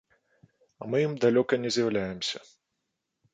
А мы ім далёка не з'яўляемся.